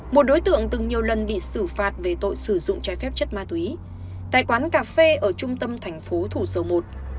một đối tượng từng nhiều lần bị xử phạt về tội sử dụng trái phép chất ma túy tại quán cà phê ở trung tâm thành phố thủ dầu một